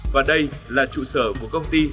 và đây là trụ sở của công ty